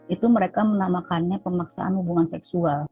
itu mereka menamakannya pemaksaan hubungan seksual